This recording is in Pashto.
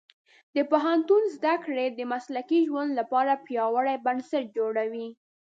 د پوهنتون زده کړې د مسلکي ژوند لپاره پیاوړي بنسټ جوړوي.